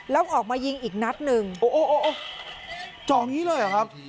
แล้วออกมายิงอีกนัดหนึ่งโอ้โหจ่อนี้เลยเหรอครับ